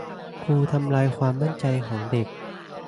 ครูทำลายความมั่นใจของเด็ก